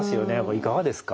いかがですか？